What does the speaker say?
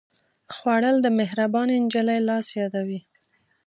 خوړل د مهربانې نجلۍ لاس یادوي